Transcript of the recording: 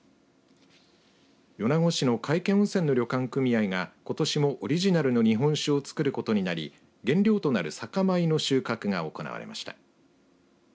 米子市の皆生温泉の旅館組合がことしもオリジナルの日本酒をつくることになり原料となる酒米の収穫が行われました。